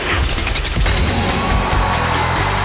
เคี่ยง